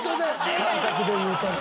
感覚で言うと。